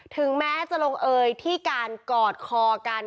ถึงแม้จะลงเอยที่การกอดคอกัน